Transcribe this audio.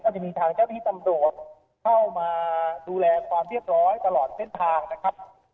จะมีทางเจ้าที่ตำรวจเข้ามาดูแลความเรียบร้อยตลอดเส้นทางนะครับ